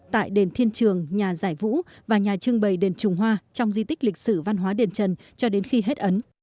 tại đền thiên trường nhà giải vũ và nhà trưng bày đền trùng hoa trong di tích lịch sử văn hóa đền trần cho đến khi hết ấn